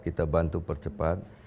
kita bantu percepat